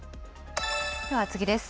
では次です。